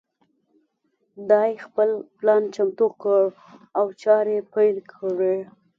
دای خپل پلان چمتو کړ او چارې پیل کړې.